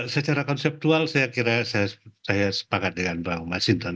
secara konseptual saya kira saya sepakat dengan bang masinton